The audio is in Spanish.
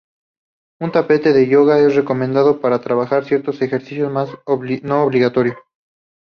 Un tapete de yoga es recomendado para trabajar ciertos ejercicios mas no obligatorio.